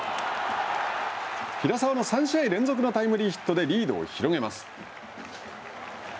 平沢の３試合連続のタイムリーヒットでリードを広げます。